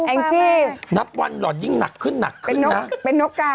เขายังหัวชิระพังนับวันหลอนยิ่งหนักหนักคืนน้อยเป็นโน้ตการ์